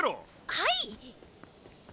はい！